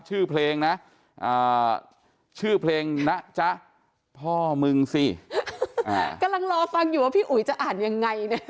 ชื่อเพลงนะชื่อเพลงนะจ๊ะพ่อมึงสิกำลังรอฟังอยู่ว่าพี่อุ๋ยจะอ่านยังไงเนี่ย